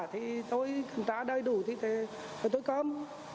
thì tôi kiểm tra đầy đủ thì thế rồi tôi cấm